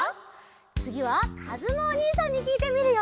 つぎはかずむおにいさんにきいてみるよ！